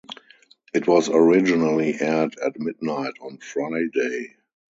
It was originally aired at midnight on Friday.